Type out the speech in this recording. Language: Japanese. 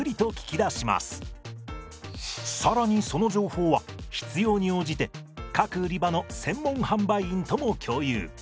更にその情報は必要に応じて各売り場の専門販売員とも共有。